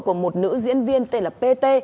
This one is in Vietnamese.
của một nữ diễn viên tên là pt